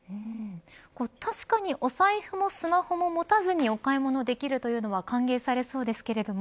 確かに、お財布もスマホも持たずにお買い物できるというのは歓迎されそうですけども